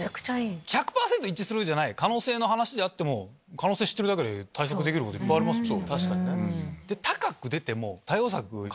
１００％一致するじゃない可能性の話であっても可能性知ってるだけで対策できることありますもんね。